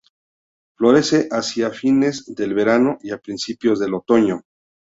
Florece hacia fines del verano y a principios del otoño.